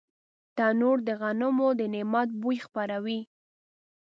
تنور د غنمو د نعمت بوی خپروي